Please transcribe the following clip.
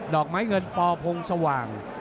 ดอกไม้เงินป่อพงษ์สว่าง